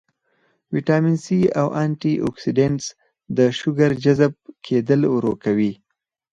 وټامن سي او انټي اکسيډنټس د شوګر جذب کېدل ورو کوي